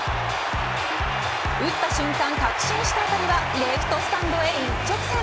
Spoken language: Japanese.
打った瞬間、確信した当たりはレフトスタンドへ一直線。